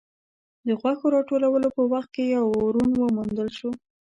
د غوښو د راټولولو په وخت کې يو ورون وموندل شو.